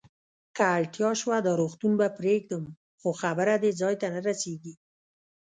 که اړتیا شوه، دا روغتون به پرېږدم، خو خبره دې ځای ته نه رسېږي.